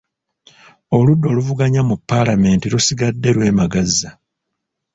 Oludda oluvuganya mu Paalamenti lusigadde lwemagaza.